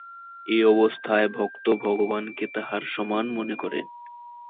এ-অবস্থায় ভক্ত ভগবানকে তাঁহার সমান মনে করেন।